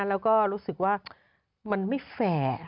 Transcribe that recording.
แล้วก็รู้สึกว่ามันไม่แฟร์